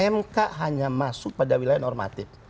mk hanya masuk pada wilayah normatif